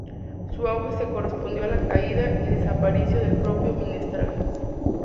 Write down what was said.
Su auge se correspondió con la caída y desaparición del propio "minstrel".